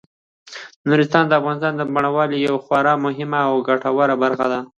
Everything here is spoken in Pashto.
نورستان د افغانستان د بڼوالۍ یوه خورا مهمه او ګټوره برخه ده.